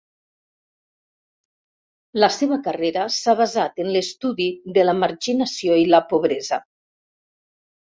La seva carrera s'ha basat en l'estudi de la marginació i la pobresa.